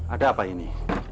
ada apa ini